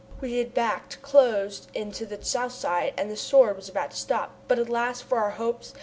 We had backed close in to the south side and the Sword was about to stop, but alas, for our hopes!